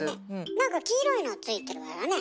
何か黄色いのついてるわよね。